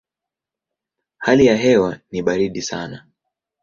Hali ya hewa ni baridi sana.